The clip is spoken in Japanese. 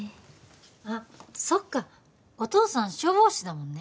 あそっかお父さん消防士だもんね